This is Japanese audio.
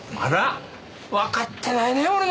わかってないね俺の事。